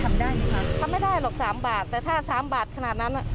ทำไม่ได้หรอก๓บาทแต่ถ้า๓บาทขนาดนั้น